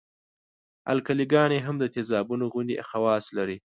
القلي ګانې هم د تیزابونو غوندې خواص لري.